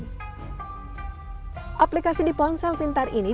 aplikasi di ponsel pintar ini diciptakan oleh pemerintah indonesia